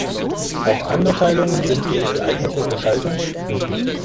Auch andere Teilungen sind durch geeignete Beschaltung möglich.